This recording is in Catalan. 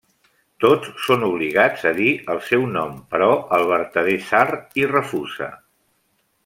Tots són obligats a dir el seu nom, però el vertader tsar hi refusa.